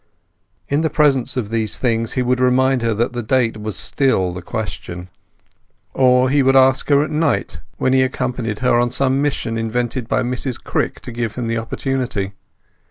In the presence of these things he would remind her that the date was still the question. Or he would ask her at night, when he accompanied her on some mission invented by Mrs Crick to give him the opportunity.